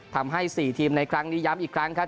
ทำให้๔ทีมในครั้งนี้ย้ำอีกครั้งครับ